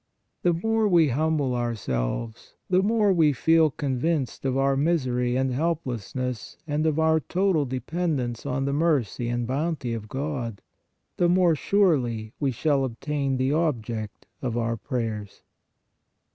The more we humble ourselves, the more we feel convinced of our misery and helplessness and of our total de pendence on the mercy and bounty of God, the more surely we shall obtain the object of our prayers.